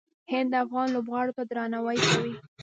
هند افغان لوبغاړو ته درناوی کوي.